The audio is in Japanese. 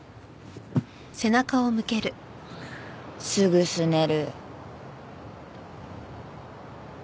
すぐすねる。